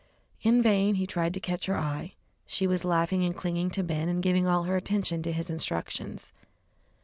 In vain he tried to catch her eye; she was laughing and clinging to Ben and giving all her attention to his instructions.